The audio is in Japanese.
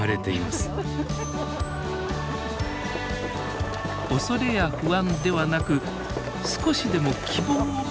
恐れや不安ではなく少しでも希望を持って生きたい。